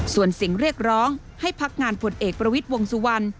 ส่วนเสียงเรียกร้องให้พักงานผลเอกประวิทย์วงสุวรรณ